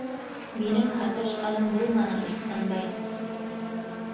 Минең һаташҡаным булманы, Ихсанбай.